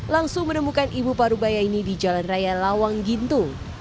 langsung menemukan ibu parubaya ini di jalan raya lawang gintu